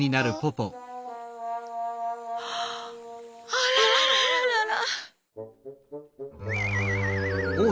あらららららら。